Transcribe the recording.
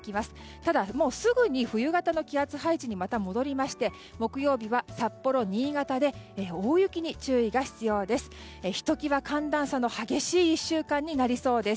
ただ、すぐに冬型の気圧配置にまた戻りまして木曜日は札幌、新潟で大雪に注意が必要です。